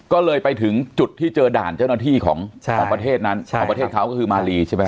ก็เลยไปถึงจุดที่เจอด่านเจ้าหน้าที่ของประเทศนั้นของประเทศเขาก็คือมาลีใช่ไหม